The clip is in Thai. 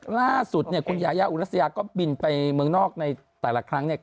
ล่าสุดเนี่ยคุณยายาอุรัสยาก็บินไปเมืองนอกในแต่ละครั้งเนี่ย